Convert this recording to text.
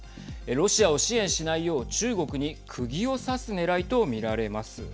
ロシアを支援しないよう中国にくぎを刺すねらいと見られます。